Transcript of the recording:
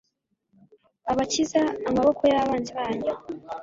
abakiza amaboko y abanzi banyu